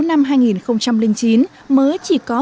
năm hai nghìn chín mới chỉ có